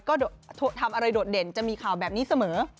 ก็ทำอะไรโดดเด่นจะมีข่าวแบบนี้เสมอ